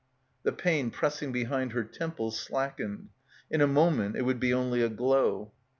The pain pressing behind her temples slackened. In a moment it would be only a glow.